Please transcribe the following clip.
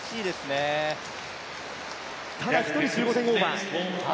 ただ一人、１５点オーバー。